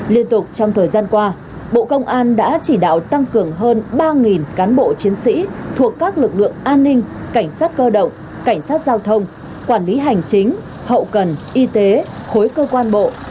liên tục trong thời gian qua bộ công an đã chỉ đạo tăng cường hơn ba cán bộ chiến sĩ thuộc các lực lượng an ninh cảnh sát cơ động cảnh sát giao thông quản lý hành chính hậu cần y tế khối cơ quan bộ